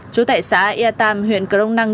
chú tại xã e tam huyện crong năng